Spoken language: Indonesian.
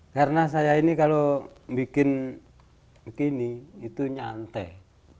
karena saya ini kalau bikin begini itu nyantai